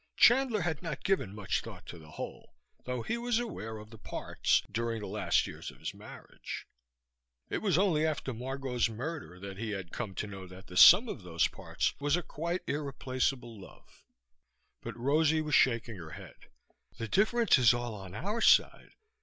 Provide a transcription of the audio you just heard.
Chandler had not given much thought to the whole, though he was aware of the parts, during the last years of his marriage. It was only after Margot's murder that he had come to know that the sum of those parts was a quite irreplaceable love. But Rosie was shaking her head. "The difference is all on our side.